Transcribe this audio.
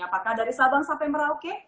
apakah dari sabang sampai merauke